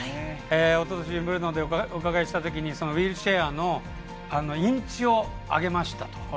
おととしウィンブルドンでお伺いしたときにウィルチェアーのインチを上げましたと。